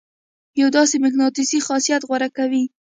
يو داسې مقناطيسي خاصيت غوره کوي.